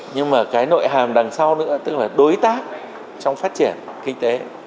nhưng mà cái nội hàm đằng sau nữa tức là đối tác trong phát triển kinh tế